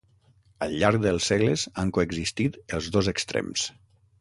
Al llarg dels segles han coexistit els dos extrems.